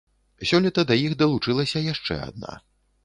Сёлета да іх далучылася яшчэ адна.